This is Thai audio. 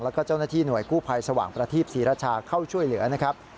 แล้วก็เจ้าหน้าที่หน่วยกู้ภัยสว่างประทีปศรีราชาเข้าช่วยเหลือนะครับ